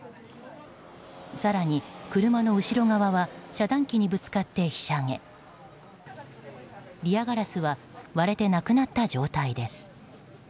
更に、車の後ろ側は遮断機にぶつかってひしゃげリアガラスは割れてなくなった状態です。